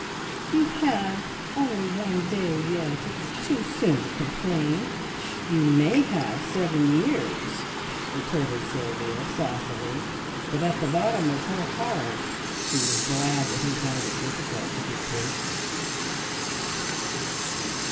"You have had only one day yet. It's too soon to complain. You may have seven years!" retorted Sylvia saucily; but at the bottom of her heart she was glad that he found it difficult to be patient.